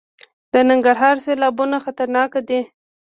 د ننګرهار سیلابونه خطرناک دي